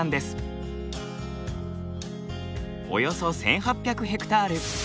およそ１，８００ヘクタール。